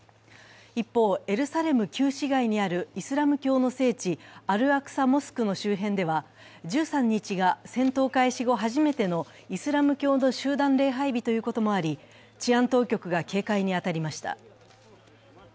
一方、エルサレム旧市街にあるイスラム教の聖地、アルアクサ・モスクの周辺では、１３日が戦闘開始後初めてのイスラム教の集団礼拝日ということもあり治安当局が警戒に当たりました。